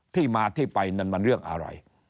ที่มาที่ไปนั้นมันเรื่องอะไร